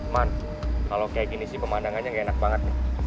man kalau kayak gini sih pemandangannya gak enak banget